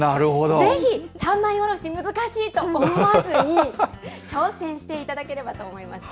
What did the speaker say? ぜひ、三枚おろし難しいと思わずに、挑戦していただければと思います。